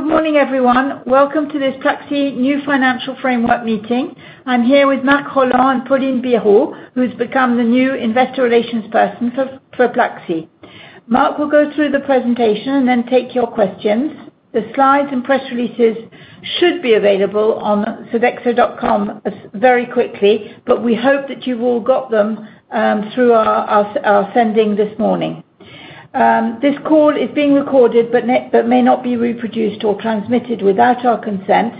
Good morning, everyone. Welcome to this Pluxee New Financial Framework Meeting. I'm here with Marc Rolland and Pauline Bireaud, who's become the new investor relations person for Pluxee. Marc will go through the presentation and then take your questions. The slides and press releases should be available on Sodexo.com, as very quickly, but we hope that you've all got them through our sending this morning. This call is being recorded, but may not be reproduced or transmitted without our consent.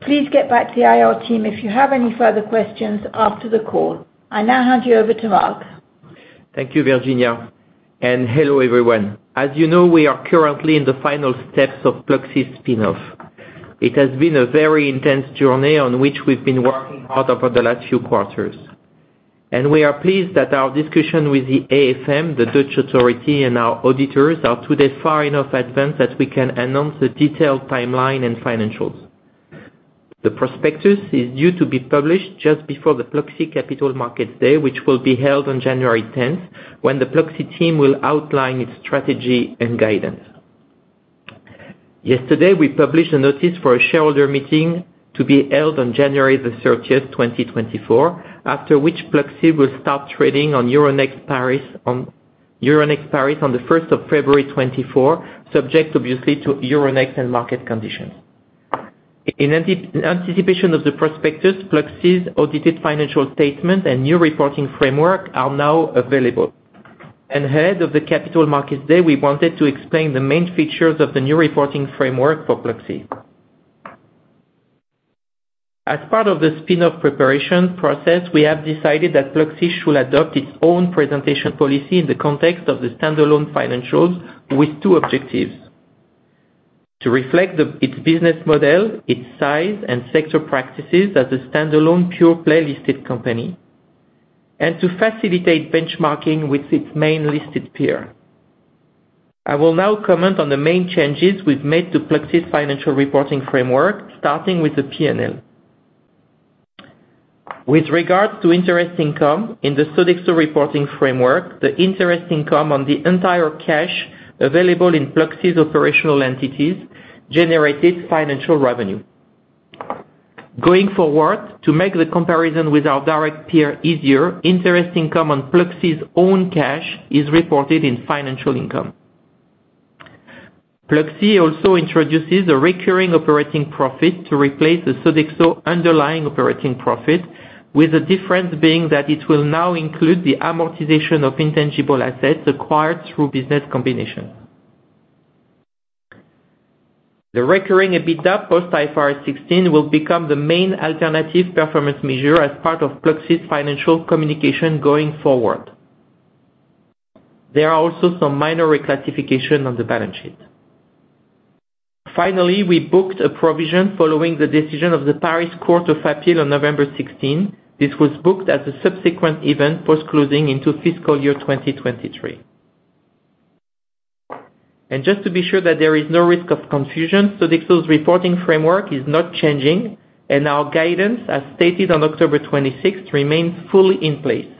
Please get back to the IR team if you have any further questions after the call. I now hand you over to Marc. Thank you, Virginia, and hello, everyone. As you know, we are currently in the final steps of Pluxee's spin-off. It has been a very intense journey on which we've been working hard over the last few quarters. We are pleased that our discussion with the AFM, the Dutch authority, and our auditors are today far enough advanced that we can announce the detailed timeline and financials. The prospectus is due to be published just before the Pluxee Capital Markets Day, which will be held on January 10th, when the Pluxee team will outline its strategy and guidance. Yesterday, we published a notice for a shareholder meeting to be held on January 30th, 2024, after which Pluxee will start trading on Euronext Paris on February 1st, 2024, subject obviously to Euronext and market conditions. In anticipation of the prospectus, Pluxee's audited financial statement and new reporting framework are now available. Ahead of the Capital Markets Day, we wanted to explain the main features of the new reporting framework for Pluxee. As part of the spin-off preparation process, we have decided that Pluxee should adopt its own presentation policy in the context of the standalone financials, with two objectives: to reflect its business model, its size and sector practices as a standalone, pure-play listed company, and to facilitate benchmarking with its main listed peer. I will now comment on the main changes we've made to Pluxee's financial reporting framework, starting with the P&L. With regards to interest income, in the Sodexo reporting framework, the interest income on the entire cash available in Pluxee's operational entities generated financial revenue. Going forward, to make the comparison with our direct peer easier, interest income on Pluxee's own cash is reported in financial income. Pluxee also introduces a recurring operating profit to replace the Sodexo underlying operating profit, with the difference being that it will now include the amortization of intangible assets acquired through business combination. The recurring EBITDA, post IFRS 16, will become the main alternative performance measure as part of Pluxee's financial communication going forward. There are also some minor reclassification on the balance sheet. Finally, we booked a provision following the decision of the Paris Court of Appeal on November 16th. This was booked as a subsequent event, post-closing into fiscal year 2023. Just to be sure that there is no risk of confusion, Sodexo's reporting framework is not changing, and our guidance, as stated on October 26th, remains fully in place.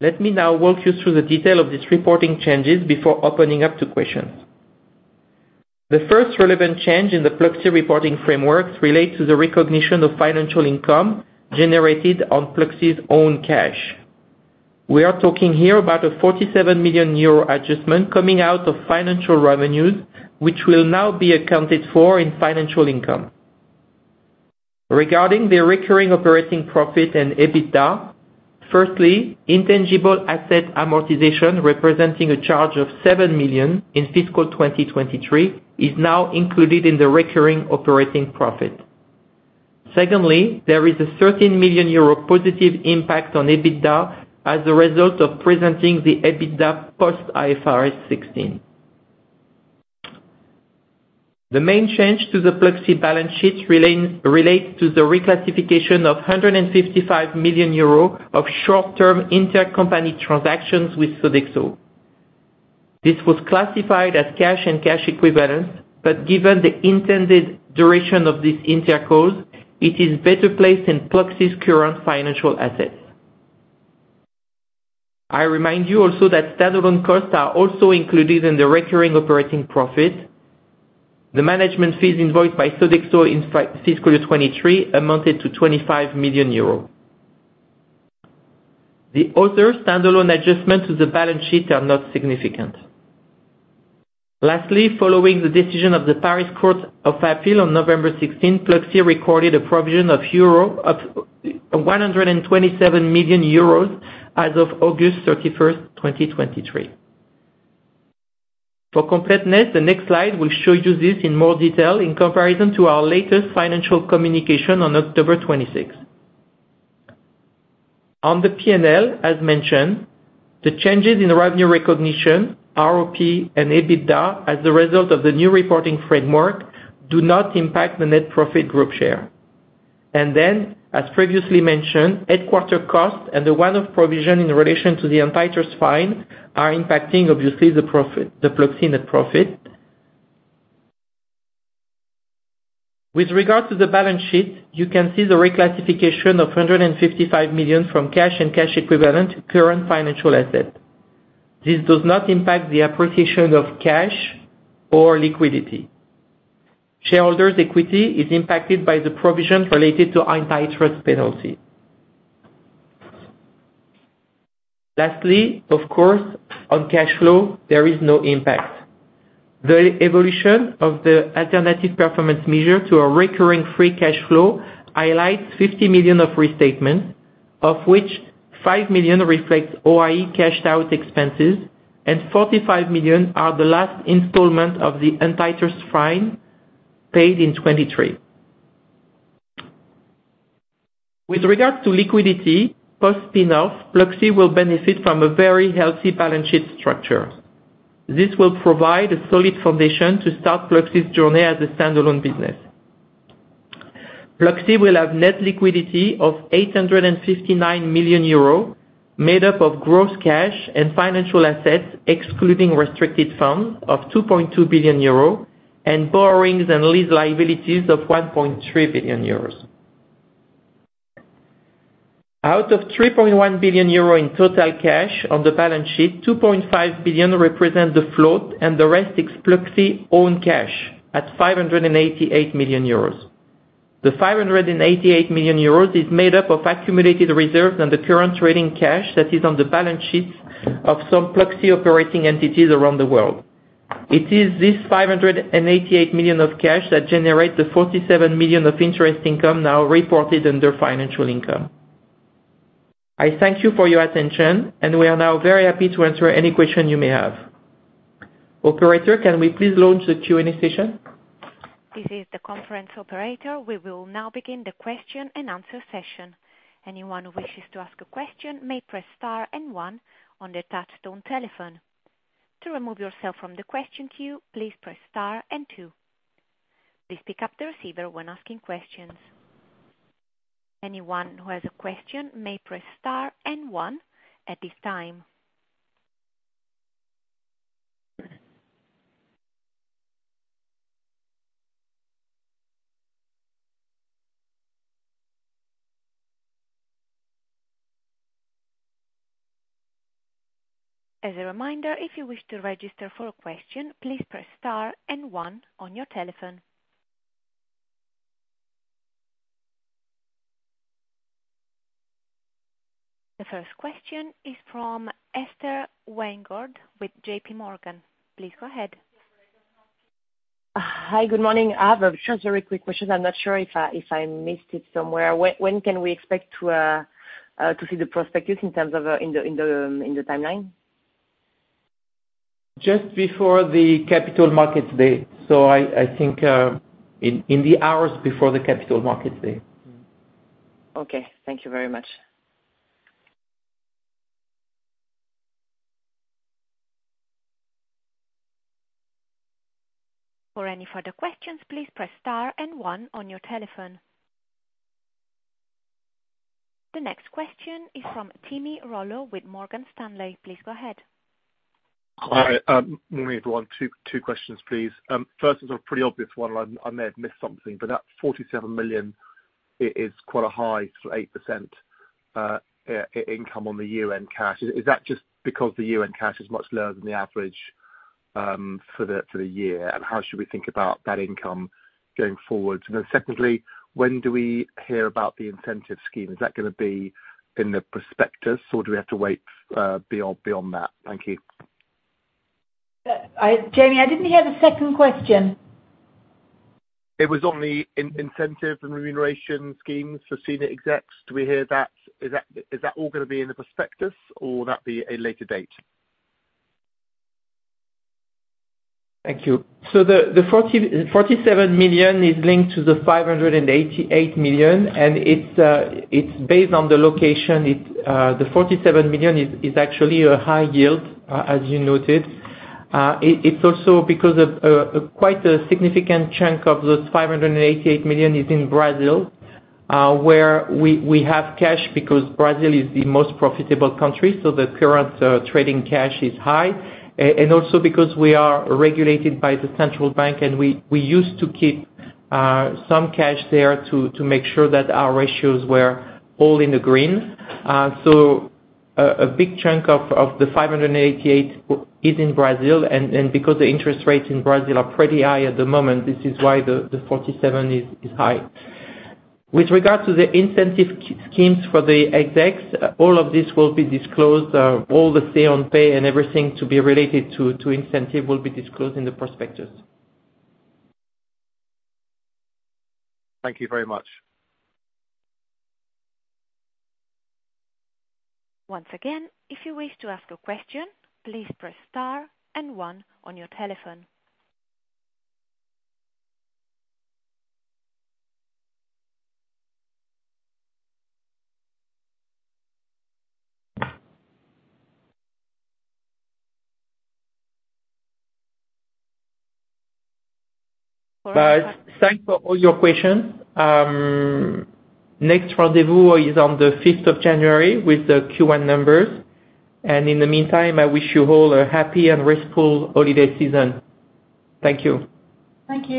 Let me now walk you through the detail of these reporting changes before opening up to questions. The first relevant change in the Pluxee reporting frameworks relate to the recognition of financial income generated on Pluxee's own cash. We are talking here about a 47 million euro adjustment coming out of financial revenues, which will now be accounted for in financial income. Regarding the recurring operating profit and EBITDA, firstly, intangible asset amortization, representing a charge of 7 million in fiscal 2023, is now included in the recurring operating profit. Secondly, there is a 13 million euro positive impact on EBITDA as a result of presenting the EBITDA post IFRS 16. The main change to the Pluxee balance sheet relates to the reclassification of 155 million euro of short-term intercompany transactions with Sodexo. This was classified as cash and cash equivalents, but given the intended duration of this intercall, it is better placed in Pluxee's current financial assets. I remind you also that standalone costs are also included in the recurring operating profit. The management fees invoiced by Sodexo in fiscal year 2023 amounted to 25 million euros. The other standalone adjustment to the balance sheet are not significant. Lastly, following the decision of the Paris Court of Appeal on November 16, Pluxee recorded a provision of EUR, of 127 million euros as of August 31st, 2023. For completeness, the next slide will show you this in more detail in comparison to our latest financial communication on October 26th. On the P&L, as mentioned, the changes in revenue recognition, ROP and EBITDA, as a result of the new reporting framework, do not impact the net profit group share. As previously mentioned, headquarters costs and the one-off provision in relation to the antitrust fine are impacting, obviously, the profit, the Pluxee net profit. With regard to the balance sheet, you can see the reclassification of 155 million from cash and cash equivalents to current financial assets. This does not impact the appreciation of cash or liquidity. Shareholders' equity is impacted by the provision related to antitrust penalty. Lastly, of course, on cash flow, there is no impact. The evolution of the alternative performance measure to a recurring free cash flow highlights 50 million of restatements, of which 5 million reflects OIE cashed out expenses, and 45 million are the last installment of the antitrust fine paid in 2023. With regard to liquidity, post-spin-off, Pluxee will benefit from a very healthy balance sheet structure. This will provide a solid foundation to start Pluxee's journey as a standalone business. Pluxee will have net liquidity of 859 million euros, made up of gross cash and financial assets, excluding restricted funds of 2.2 billion euro and borrowings and lease liabilities of 1.3 billion euros. Out of 3.1 billion euro in total cash on the balance sheet, 2.5 billion represent the float, and the rest is Pluxee own cash at 588 million euros. The 588 million euros is made up of accumulated reserves and the current trading cash that is on the balance sheets of some Pluxee operating entities around the world. It is this 588 million of cash that generate the 47 million of interest income now reported under financial income. I thank you for your attention, and we are now very happy to answer any question you may have. Operator, can we please launch the Q&A session? This is the conference operator. We will now begin the question-and-answer session. Anyone who wishes to ask a question may press star and one on their touchtone telephone. To remove yourself from the question queue, please press star and two. Please pick up the receiver when asking questions. Anyone who has a question may press star and one at this time. As a reminder, if you wish to register for a question, please press star and one on your telephone. The first question is from Estelle Weingrod with JPMorgan. Please go ahead. Hi, good morning. I have just a very quick question. I'm not sure if I missed it somewhere. When can we expect to see the prospectus in terms of the timeline? Just before the Capital Markets Day. So I think, in the hours before the Capital Markets Day. Okay, thank you very much. For any further questions, please press star and one on your telephone. The next question is from Jamie Rollo with Morgan Stanley. Please go ahead. Hi. Morning, everyone. Two questions, please. First, it's a pretty obvious one. I may have missed something, but that 47 million is quite a high, so 8% income on the year-end cash. Is that just because the year-end cash is much lower than the average for the year? And how should we think about that income going forward? And then secondly, when do we hear about the incentive scheme? Is that gonna be in the prospectus, or do we have to wait beyond that? Thank you. Jamie, I didn't hear the second question. It was on the incentive and remuneration schemes for senior execs. Do we hear that... Is that, is that all gonna be in the prospectus, or will that be a later date? Thank you. So the 47 million is linked to the 588 million, and it's based on the location. It's the 47 million is actually a high yield as you noted. It's also because of quite a significant chunk of those 588 million is in Brazil where we have cash because Brazil is the most profitable country, so the current trading cash is high. And also because we are regulated by the central bank, and we used to keep some cash there to make sure that our ratios were all in the green. So a big chunk of the 588 million is in Brazil, and because the interest rates in Brazil are pretty high at the moment, this is why the 47 million is high. With regard to the incentive key schemes for the execs, all of this will be disclosed. All the say on pay and everything to be related to incentive will be disclosed in the prospectus. Thank you very much. Once again, if you wish to ask a question, please press star and one on your telephone. Thanks for all your questions. Next rendezvous is on January 5th with the Q1 numbers, and in the meantime, I wish you all a happy and restful holiday season. Thank you. Thank you.